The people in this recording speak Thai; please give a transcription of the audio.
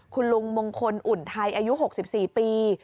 คุณลุงมงคลอุ่นไทยอายุ๖๔ปี